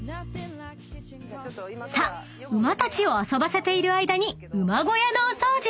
［さあ馬たちを遊ばせている間に］